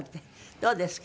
どうですか？